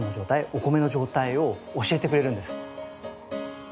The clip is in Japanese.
お米の状態を教えてくれるんです。